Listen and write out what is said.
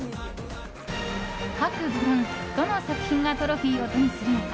各部門どの作品がトロフィーを手にするのか。